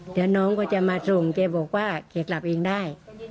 เดี๋ยวน้องก็จะมาส่งแกบอกว่าแกกลับเองได้